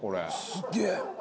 すげえ！